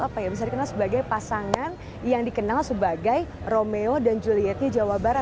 apa ya bisa dikenal sebagai pasangan yang dikenal sebagai romeo dan julietnya jawa barat